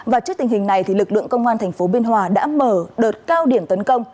và trước tình hình này lực lượng công an tp biên hòa đã mở đợt cao điểm tấn công